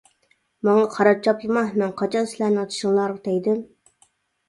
-ماڭا قارا چاپلىما مەن قاچان سىلەرنىڭ چىشىڭلارغا تەگدىم.